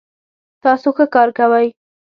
تاسو ښه کار کوئ